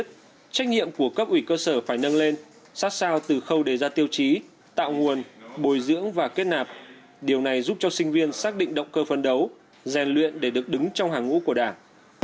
vậy trách nhiệm của cấp ủy cơ sở phải nâng lên sát sao từ khâu đề ra tiêu chí tạo nguồn bồi dưỡng và kết nạp điều này giúp cho sinh viên xác định động cơ phân đấu rèn luyện để được đứng trong hàng ngũ của đảng